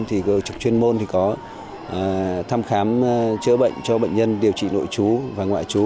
trực chuyên môn thì có thăm khám chữa bệnh cho bệnh nhân điều trị nội chú và ngoại chú